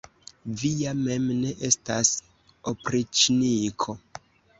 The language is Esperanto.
Vi ja mem ne estas opriĉniko!